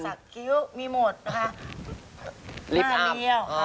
คิ้วมีหมดนะคะหน้าเดียว